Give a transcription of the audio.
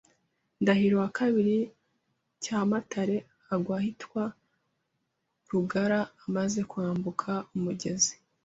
Ndahiro II cyamatare agwa ahitwa Rugara amaze kwambuka umugezi